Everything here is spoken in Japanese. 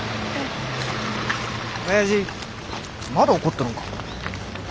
親父まだ怒っとるんか？